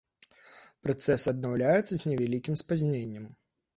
Працэс аднаўляецца з невялікім спазненнем.